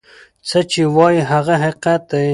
څه چی وای هغه حقیقت دی.